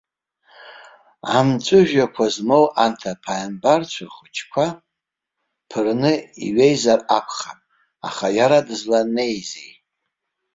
Амҵәыжәҩақәа змоу анҭ аԥаимбарцәа хәыҷқәа ԥырны иҩеизар акәхап, аха иара дызланеизеи?